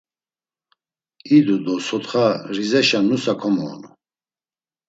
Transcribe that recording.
İdu do sotxa, Rizeşa nusa komoonu.